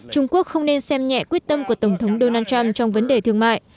trung quốc không nên xem nhẹ quyết tâm của tổng thống donald trump trong vấn đề thương mại